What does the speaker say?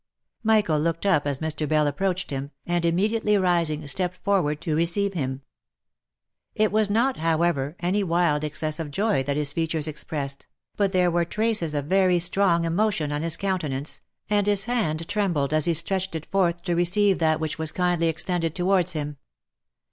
Michael looked up as Mr. Bell ap proached him, and immediately rising, stepped forward to receive him* It was not, however, any wild excess of joy that his features ex OF MICHAEL ARMSTRONG. 331 pressed, but there were traces of very strong emotion on his counte nance, and his hand trembled as he stretched it forth to receive that ■which was kindly extended towards him.